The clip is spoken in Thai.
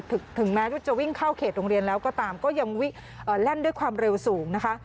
ถึงแม้ว่าจะวิ่งเข้าเขตโรงเรียนแล้วก็ตามก็ยังวิ่งแล่นด้วยความเร็วสูงนะคะ